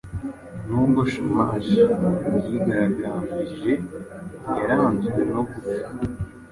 Nubwo Shamash yigaragambijeyaranzwe no gupfa